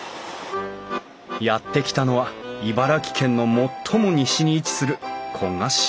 やって来たのは茨城県の最も西に位置する古河市。